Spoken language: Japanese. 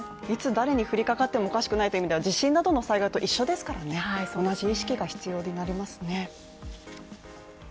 いつ誰に降りかかってもおかしくないという意味では地震などの災害と一緒ですからね、同じ意識が必要になりますね。